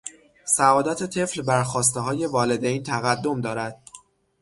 سعادت طفل بر خواستههای والدین تقدم دارد.